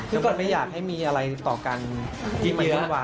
ก็ไม่อยากให้มีอะไรต่อกันอีกเยอะ